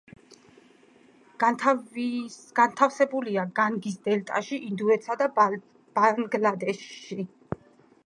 განთავსებულია განგის დელტაში ინდოეთსა და ბანგლადეშში.